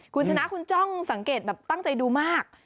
คุณชนะคุณจ้องสังเกตแบบตั้งใจดูมาก